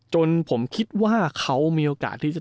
จนผมคิดว่าเขามีโอกาสที่จะ